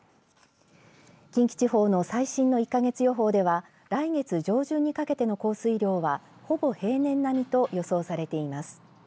近畿地方の最新の１か月予報では来月上旬にかけての降水量はほぼ平年並みと予想されています。